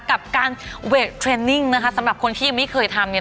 กับการเวทเทรนนิ่งนะคะสำหรับคนที่ยังไม่เคยทำเนี่ย